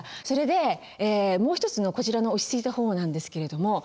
それでもう一つのこちらの落ち着いた方なんですけれども。